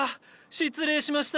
失礼しました。